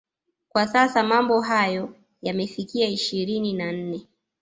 Kwa sasa mambo hayo yamefikia ishirini na nne